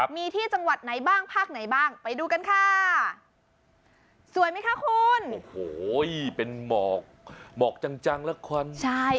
มีที่จังหวัดไหนบ้างภาคไหนบ้างไปดูกันค่ะ